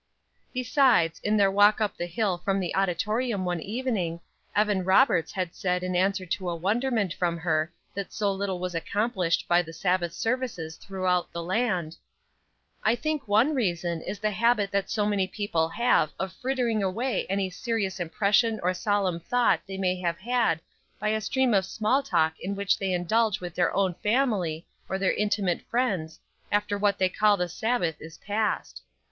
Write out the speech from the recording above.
Besides, in their walk up the hill from the auditorium one evening, Evan Roberts had said in answer to a wonderment from her that so little was accomplished by the Sabbath services throughout the land: "I think one reason is the habit that so many people have of frittering a way any serious impression or solemn thought they may have had by a stream of small talk in which they indulge with their own family or their intimate friends, after what they call the Sabbath is past.